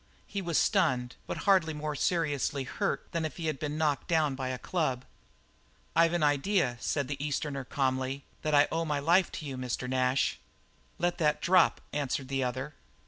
He was stunned, but hardly more seriously hurt than if he had been knocked down by a club. "I've an idea," said the Easterner calmly, "that I owe my life to you, Mr. Nash." "Let that drop," answered the other.